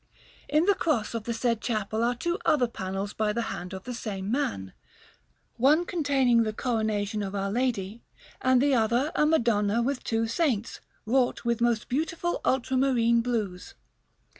In the cross of the said chapel are two other panels by the hand of the same man; one containing the Coronation of Our Lady, and the other a Madonna with two saints, wrought with most beautiful ultramarine blues.